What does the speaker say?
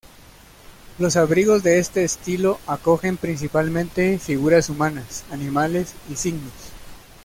Los abrigos de este estilo acogen principalmente figuras humanas, animales y signos.